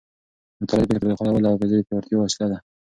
مطالعه د فکر د پراخولو او حافظې د پیاوړتیا یوه وسیله ده.